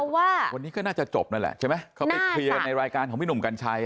ว่าวันนี้ก็น่าจะจบนั่นแหละใช่ไหมเขาไปเคลียร์กันในรายการของพี่หนุ่มกัญชัย